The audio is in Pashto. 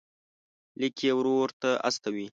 لیک یې ورور ته استوي.